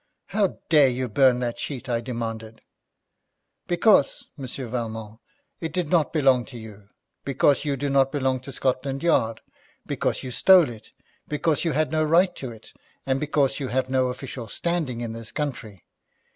'How dared you burn that sheet?' I demanded. 'Because, Monsieur Valmont, it did not belong to you; because you do not belong to Scotland Yard; because you stole it; because you had no right to it; and because you have no official standing in this country.